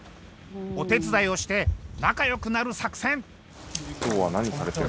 お手伝いをして仲よくなる作戦！